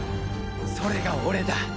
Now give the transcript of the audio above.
それが俺だ！